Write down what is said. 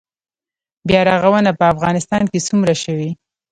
بیا رغونه په افغانستان کې څومره شوې؟